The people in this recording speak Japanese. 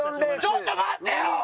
ちょっと待ってよ！